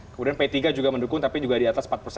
kemudian p tiga juga mendukung tapi juga diatas